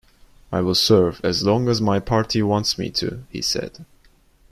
"I will serve as long as my party wants me to," he said.